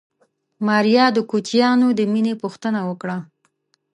ماريا د کوچيانو د مېنې پوښتنه وکړه.